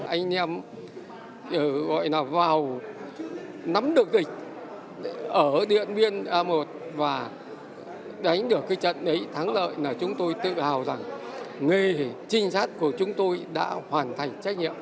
anh em gọi là vào nắm được dịch ở điện biên a một và đánh được cái trận đấy thắng lợi là chúng tôi tự hào rằng nghề trinh sát của chúng tôi đã hoàn thành trách nhiệm